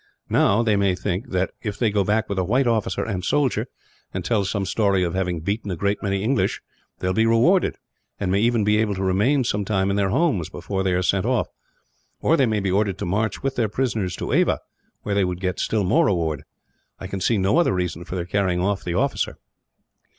Now they may think that, if they go back with a white officer and soldier, and tell some story of having beaten a great many English, they will be rewarded; and may even be able to remain some time in their homes, before they are sent off; or they may be ordered to march with their prisoners to Ava, where they would get still more reward. I can see no other reason for their carrying off the officer."